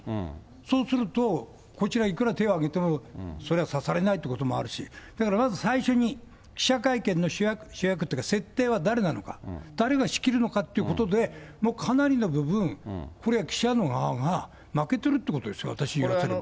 そうすると、こちらいくら手を挙げても、それは指されないということもあるし、だからまず最初に、記者会見の主役、主役っていうか設定は誰なのか、誰が仕切るのかってことで、もうかなりの部分、これは記者の側が負けてるってことですよ、私に言わせれば。